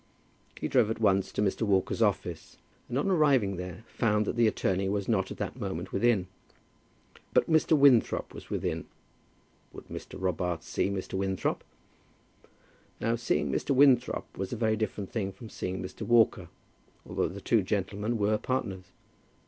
He drove at once to Mr. Walker's office, and on arriving there found that the attorney was not at that moment within. But Mr. Winthrop was within. Would Mr. Robarts see Mr. Winthrop? Now, seeing Mr. Winthrop was a very different thing from seeing Mr. Walker, although the two gentlemen were partners.